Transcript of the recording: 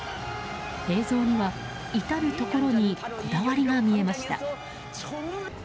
映像には至るところにこだわりが見えました。